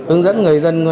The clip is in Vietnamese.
ưng dẫn người dân